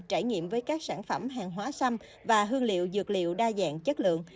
trải nghiệm với các sản phẩm hàng hóa sâm và hương liệu dược liệu đa dạng chất lượng